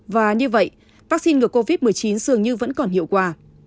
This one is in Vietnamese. và như vậy vaccine ngừa covid một mươi chín dường như vẫn còn hiệu quả